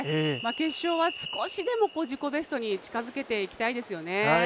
決勝は少しでも自己ベストに近づけていきたいですよね。